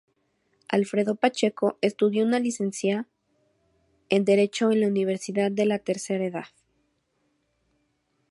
Alfredo Pacheco estudió una Licencia en Derecho en la Universidad de la Tercera Edad.